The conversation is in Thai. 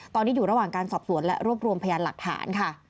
ตอนนี้อยู่ระหว่างการสอบสวนและรวบรวมพยานหลักฐานค่ะ